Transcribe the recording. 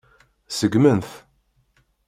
Seggmen-t.